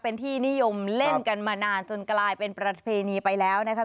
เป็นที่นิยมเล่นกันมานานจนกลายเป็นประเพณีไปแล้วนะคะ